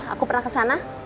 aku pernah kesana